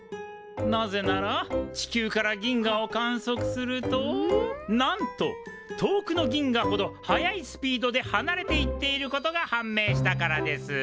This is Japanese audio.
なぜなら地球から銀河を観測するとなんと遠くの銀河ほど速いスピードではなれていっていることが判明したからです。